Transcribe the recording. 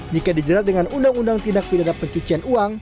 jika dijerat dengan undang undang tindak penipuan